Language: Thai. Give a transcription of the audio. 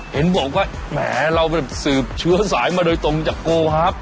เห็นบอกว่าแหมเราแบบสืบเชื้อสายมาโดยตรงจากโกฮับ